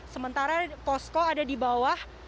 sementara posko ada di bawah